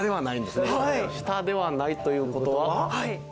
下ではないという事は。